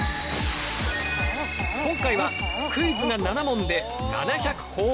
今回はクイズが７問で７００ほぉポイント。